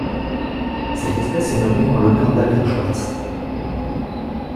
Cette espèce est nommée en l'honneur d'Albert Schwartz.